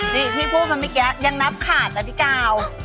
นี่พี่พูดมันไม่แก๊ะยังนับขาดแล้วพี่กาว